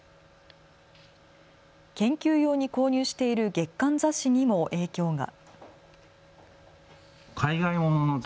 研究用に購入している月刊雑誌にも影響が。